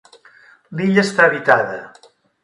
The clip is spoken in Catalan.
L'illa està habitada.